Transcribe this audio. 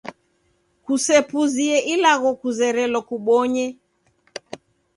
Kusepuzie ilagho kuzerelo kubonye.